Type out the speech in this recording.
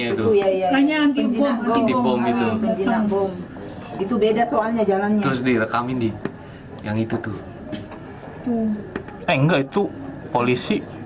itu beda soalnya jalannya direkam di yang itu tuh enggak itu polisi polisi